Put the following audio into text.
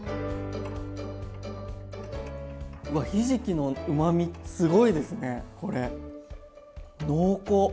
わっひじきのうまみすごいですねこれ。濃厚！